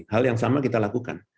hal yang sama kita lakukan